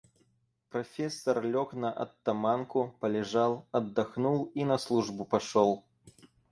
Профессор лег на оттоманку, полежал, отдохнул и на службу пошел.